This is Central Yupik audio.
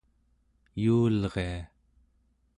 yuulria